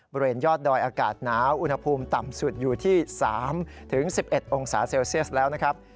บริเวณยอดดอยอากาศหนาวอุณหภูมิต่ำสุดอยู่ที่๓๑๑องศาเซลเซียสแล้วนะครับ